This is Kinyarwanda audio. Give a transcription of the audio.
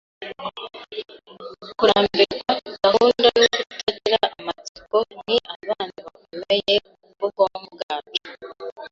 Kurambirwa, gahunda, no kutagira amatsiko ni abanzi bakomeye b'ubwonko bwacu